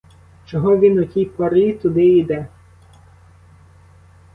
Чого він о тій порі туди іде?